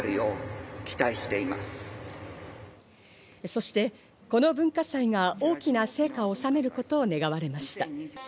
そしてこの文化祭が大きな成果を収めることを願われました。